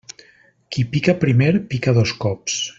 Qui pica primer, pica dos cops.